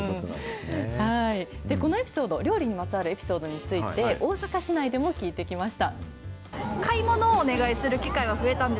このエピソード、料理にまつわるエピソードについて、大阪市内でも聞いてきました。